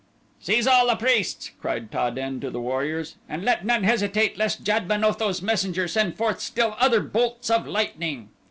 "Seize all the priests," cried Ta den to the warriors, "and let none hesitate lest Jad ben Otho's messenger send forth still other bolts of lightning."